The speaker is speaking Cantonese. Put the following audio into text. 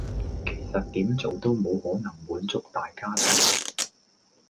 其實點做都冇可能滿足大家的